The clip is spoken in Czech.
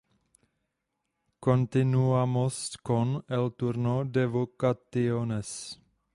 Continuamos con el turno de votaciones.